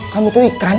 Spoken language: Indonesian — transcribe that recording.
kamu tuh ikan